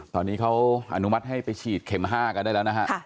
ตอนนี้เขาอนุมัติให้ไปฉีดเข็ม๕กันได้แล้วนะฮะ